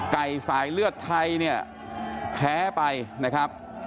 สายเลือดไทยเนี่ยแพ้ไปนะครับ